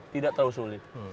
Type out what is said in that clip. tidak terlalu sulit